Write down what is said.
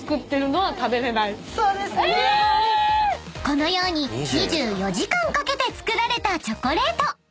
［このように２４時間かけて作られたチョコレート］